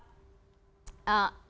yang menarik yang sempat